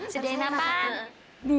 sedih enak banget